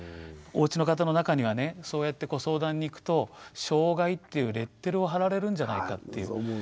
おうちの方の中にはねそうやってご相談に行くと障害っていうレッテルを貼られるんじゃないかっていう。